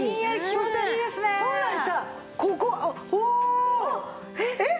そして本来さここおお！えっ？